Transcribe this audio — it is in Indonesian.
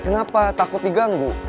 kenapa takut diganggu